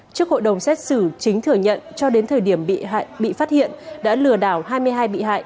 trước hội đồng xét xử chính thừa nhận cho đến thời điểm bị phát hiện đã lừa đảo hai mươi hai bị hại